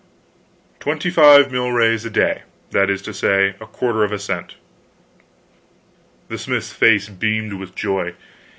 "Twenty five milrays a day; that is to say, a quarter of a cent." The smith's face beamed with joy.